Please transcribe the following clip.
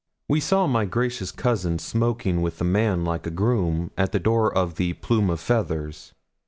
We saw my gracious cousin smoking with a man like a groom, at the door of the 'Plume of Feathers.'